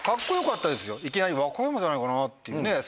いきなり「和歌山」じゃないかなって。